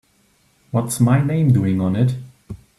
What's my name doing on it?